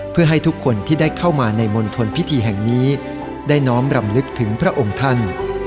เพื่อให้ทุกคนที่ได้เข้ามาในมณฑลพิธีแห่งนี้ได้น้อมรำลึกถึงพระองค์ท่าน